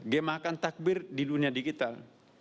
gemahkan takbir di dunia digital